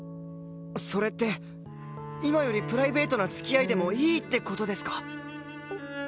それって今よりプライベートな付き合いでもいいって事ですか？